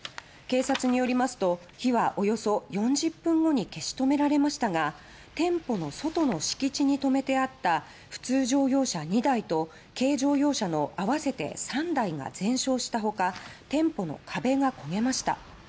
警察によりますと火はおよそ４０分後に消し止められましたが店舗の外の敷地にとめてあった普通乗用車２台と軽乗用車のあわせて３台が全焼したほか店舗の壁が焦げました。